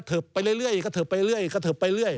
ไปเรื่อยกระเทิบไปเรื่อยกระเทิบไปเรื่อย